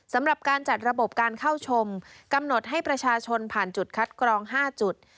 สำหรับการจัดระบบการเข้าชมกำหนดให้ประชาชนผ่านจุดคัดกรอง๕จุด